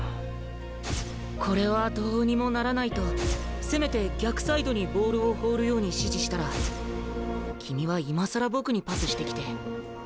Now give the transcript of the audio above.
これはどうにもならないとせめて逆サイドにボールを放るように指示したら君は今更僕にパスしてきて。